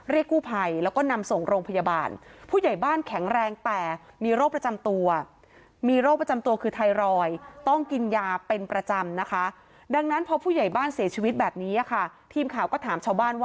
เรียกกู้ไผ่แล้วก็นำส่งโรงพยาบาล